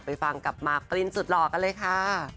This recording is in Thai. ไปฟังกับมาร์กปลินสุดหลอกกันเลยค่ะ